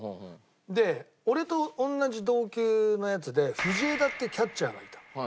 で俺と同じ同級のヤツで藤枝ってキャッチャーがいたの。